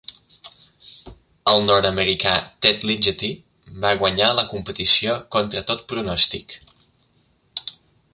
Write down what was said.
El nord-americà Ted Ligety va guanyar la competició contra tot pronòstic.